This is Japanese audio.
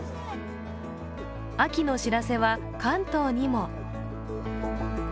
秋の知らせは関東にも。